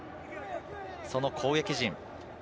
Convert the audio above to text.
その攻撃陣。